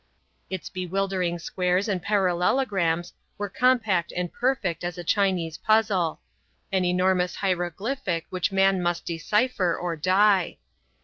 Its bewildering squares and parallelograms were compact and perfect as a Chinese puzzle; an enormous hieroglyphic which man must decipher or die.